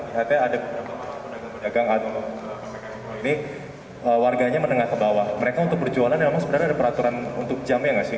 lihatnya ada dagang dagang warganya menengah ke bawah mereka untuk berjualan memang sebenarnya ada peraturan untuk jam ya enggak sih